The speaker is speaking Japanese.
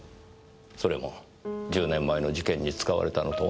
それも１０年前の事件に使われたのと同じ方法で。